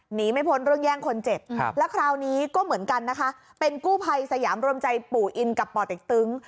หนีไม่พ้นเรื่องแย่งคนเจ็บแล้วคราวนี้ก็เหมือนกันนะคะเป็นกู้ภัยสยามรวมใจปู่อินกับป่อเต็กตึง